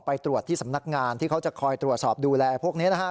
ไปตรวจที่สำนักงานที่เขาจะคอยตรวจสอบดูแลพวกนี้นะฮะ